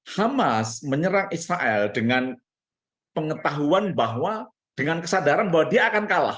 hamas menyerang israel dengan pengetahuan bahwa dengan kesadaran bahwa dia akan kalah